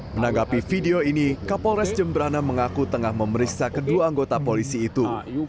menanggapi video ini kapolres jemberana mengaku tengah memeriksa kedua anggota polisi itu